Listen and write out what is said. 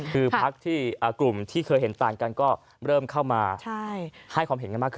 คือพักที่กลุ่มที่เคยเห็นต่างกันก็เริ่มเข้ามาให้ความเห็นกันมากขึ้น